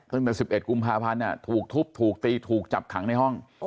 ตั้งแต่๑๑กุมภาพันธ์ถูกทุบถูกตีถูกจับขังในห้อง